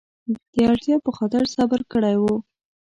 د اړتیا په خاطر صبر کړی و.